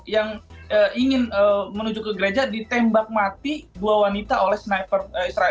yang ingin menuju ke gereja ditembak mati dua wanita oleh sniper israel